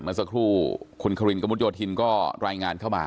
เมื่อสักครู่คุณครินกระมุดโยธินก็รายงานเข้ามา